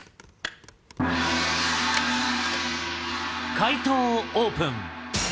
解答をオープン。